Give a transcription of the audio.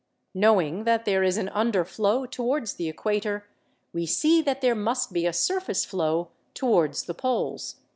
Knowing that there is an underflow towards the equator, we see that there must be a surface flow towards the Poles.